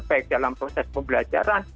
baik dalam proses pembelajaran